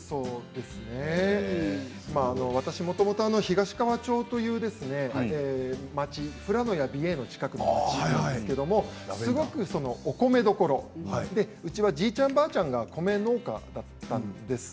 まあ、私もともと東川町という町、富良野や美瑛の近くなんですけれどもすごくお米どころうちはじいちゃん、ばあちゃんが米農家だったんです。